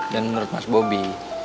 dan menurut mas bobi